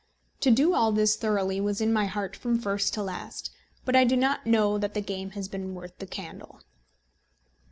To do all this thoroughly was in my heart from first to last; but I do not know that the game has been worth the candle.